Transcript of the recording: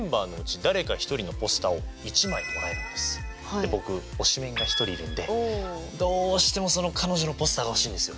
で僕推しメンが１人いるんでどうしてもその彼女のポスターが欲しいんですよ。